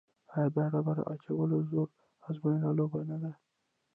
آیا د ډبرې اچول د زور ازموینې لوبه نه ده؟